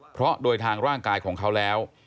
เพราะโดยทางร่างกายของเขาแล้ว